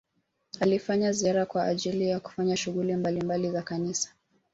alifanya ziara kwa ajili ya kufanya shughuli mbalimbali za kanisa